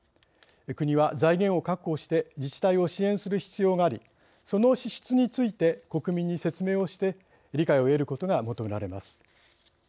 国は財源を確保して自治体を支援する必要がありその支出について国民に説明をして理解を得ることが求められます。